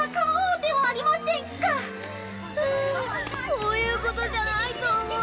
こういうことじゃないと思う。